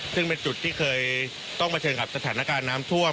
ซึ่งเป็นจุดที่เคยต้องเผชิญกับสถานการณ์น้ำท่วม